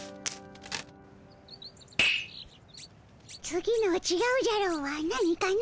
次の「ちがうじゃろー」はなにかの。